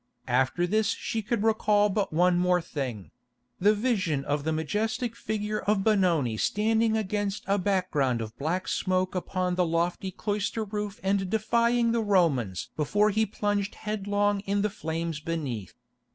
After this she could recall but one more thing—the vision of the majestic figure of Benoni standing against a background of black smoke upon the lofty cloister roof and defying the Romans before he plunged headlong in the flames beneath.